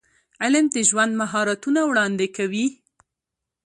علم د ژوند مهارتونه وړاندې کوي.